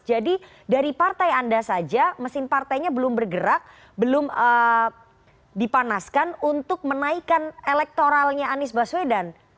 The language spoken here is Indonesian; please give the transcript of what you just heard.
dari partai anda saja mesin partainya belum bergerak belum dipanaskan untuk menaikkan elektoralnya anies baswedan